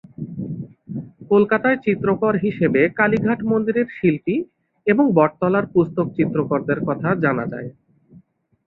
কলকাতায় চিত্রকর হিসেবে কালীঘাট মন্দিরের শিল্পী এবং বটতলার পুস্তক চিত্রকরদের কথা জানা যায়।